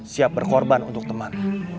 siap berkorban untuk teman